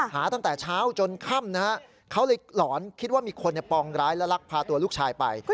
หาตั้งแต่เช้าจนค่ำนะฮะเขาเลยหลอนคิดว่ามีคนปองร้ายและลักพาตัวลูกชายไป